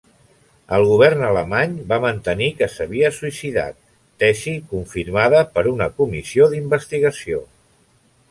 El govern alemany va mantenir que s'havia suïcidat, tesi confirmada per una comissió d'investigació.